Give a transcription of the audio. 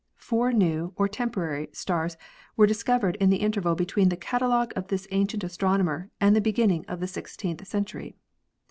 Four new, or temporary, stars were discovered in the interval between the catalogue of this ancient astronomer and the beginning of the sixteenth century.